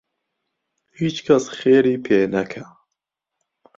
هیچکهس خێری پێ نهکا